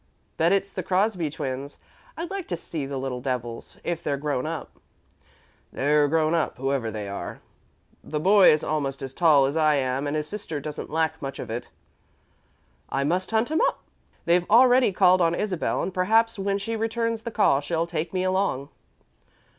"Bet it's the Crosby twins. I'd like to see the little devils, if they've grown up." "They're grown up, whoever they are. The boy is almost as tall as I am and his sister doesn't lack much of it." "I must hunt 'em up. They've already called on Isabel, and perhaps, when she returns the call, she'll take me along."